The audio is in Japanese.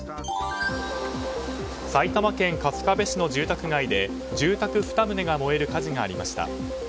埼玉県春日部市の住宅街で住宅２棟が燃える火事がありました。